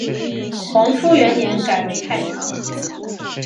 黄初元年改为太常。